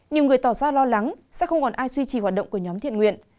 nhiều người tỏ ra lo lắng sẽ không còn ai suy trì hoạt động của nhóm thiện nguyện